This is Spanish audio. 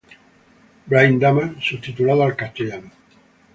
Brain Damage subtitulada al español